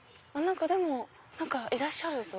でも何かいらっしゃるぞ。